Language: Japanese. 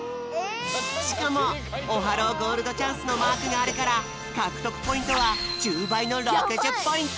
しかもオハローゴールドチャンスのマークがあるからかくとくポイントは１０ばいの６０ポイント！